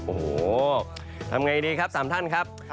โอ้โหทำไงดีครับ๓ท่านครับ